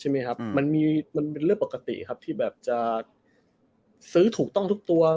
มันเป็นเรื่องปกติครับที่จะซื้อถูกต้องทุกตัว